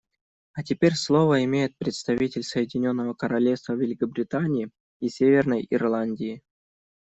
А теперь слово имеет представитель Соединенного Королевства Великобритании и Северной Ирландии.